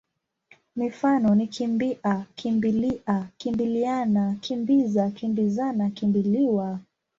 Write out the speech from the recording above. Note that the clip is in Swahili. Mifano ni kimbi-a, kimbi-lia, kimbili-ana, kimbi-za, kimbi-zana, kimbi-liwa.